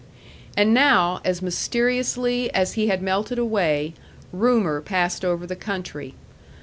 And now, as mysteriously as he had melted away, rumor passed over the country.